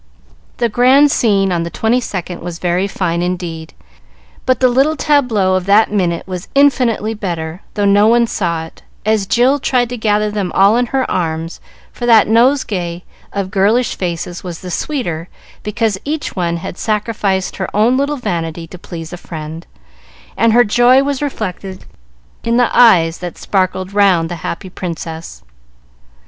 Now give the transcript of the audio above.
The grand scene on the Twenty second was very fine, indeed; but the little tableau of that minute was infinitely better, though no one saw it, as Jill tried to gather them all in her arms, for that nosegay of girlish faces was the sweeter, because each one had sacrificed her own little vanity to please a friend, and her joy was reflected in the eyes that sparkled round the happy Princess.